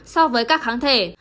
so với các kháng thể